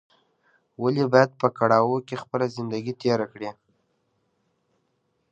ولې باید په کړاوو کې خپله زندګي تېره کړې